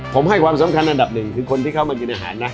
ผมให้ความสำคัญอันดับหนึ่งคือคนที่เข้ามากินอาหารนะ